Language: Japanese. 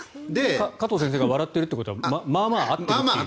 加藤先生が笑ってるということはまあまあ合っていると。